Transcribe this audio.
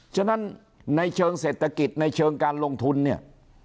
ฉะนั้นในเชิงเศรษฐกิจในเชิงการลงทุนเนี่ย